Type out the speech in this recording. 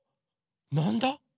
なんだ？